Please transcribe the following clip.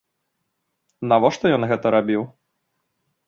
Навошта ён гэта рабіў?